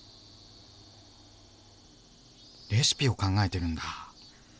レシピを考えてるんだ。